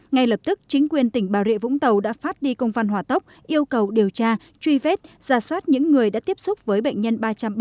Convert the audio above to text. ngay lập tức chính quyền tỉnh bà rịa vũng tàu đã phát đi công văn hỏa tốc yêu cầu điều tra truy vết giả soát những người đã tiếp xúc với bệnh nhân ba trăm ba mươi